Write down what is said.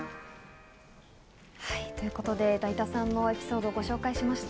ということで、だいたさんのエピソードをご紹介しました。